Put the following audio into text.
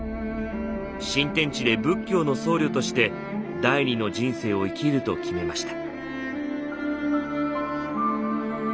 新天地で仏教の僧侶として第２の人生を生きると決めました。